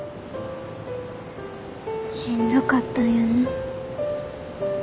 しんどかったんやな。